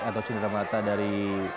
atau cinta mata dari